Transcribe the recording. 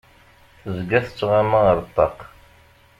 Tezga tettɣama ar ṭṭaq.